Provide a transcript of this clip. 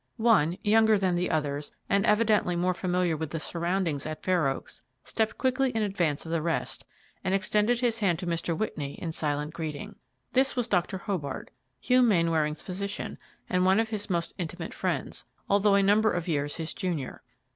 One, younger than the others and evidently more familiar with the surroundings at Fair Oaks, stepped quickly in advance of the rest and extended his hand to Mr. Whitney in silent greeting. This was Dr. Hobart, Hugh Mainwaring's physician and one of his most intimate friends, although a number of years his junior.